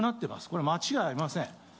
これは間違いありません。